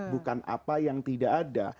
bukan apa yang tidak ada